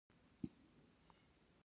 خطاطي ولې مهمه ده؟